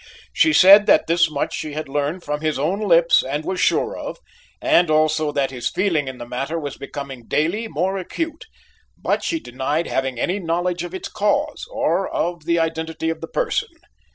She said that this much she had learned from his own lips and was sure of, and also that his feeling in the matter was becoming daily more acute, but she denied having any knowledge of its cause, or of the identity of the person.